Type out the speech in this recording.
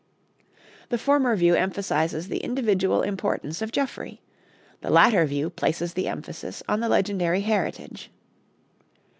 The former view emphasizes the individual importance of Geoffrey; the latter view places the emphasis on the legendary heritage.